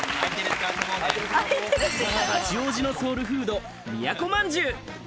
八王子のソウルフード、都まんじゅう。